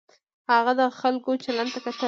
هغه د خلکو چلند ته کتل.